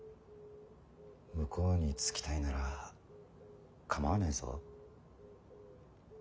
向こうにつきたいなら構わねえぞ。